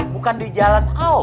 bukan di jalan awal